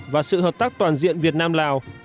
và sự hợp tác toàn diện việt nam lào